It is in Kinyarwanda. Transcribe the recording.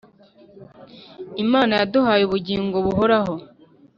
Imana yaduhaye ubugingo buhoraho,